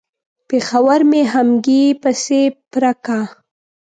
پېښور مې همګي پسې پره کا.